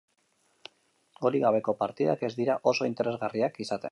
Golik gabeko partidak ez dira oso interesgarriak izaten.